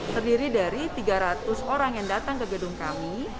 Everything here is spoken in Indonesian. terdiri dari tiga ratus orang yang datang ke gedung kami